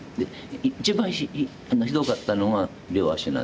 一番ひどかったのが両足なの。